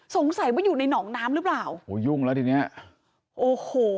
สงสัยว่าอยู่ในหนองน้ำหรือเปล่าโหยุ่งแล้วทีเนี้ยโอ้โห